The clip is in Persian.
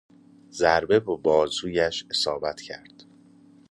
ضربه به بازویش اصابت کرد.